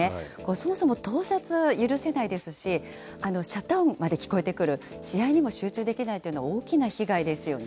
そもそも盗撮、許せないですし、シャッター音まで聞こえてくる、試合にも集中できないというのは大きな被害ですよね。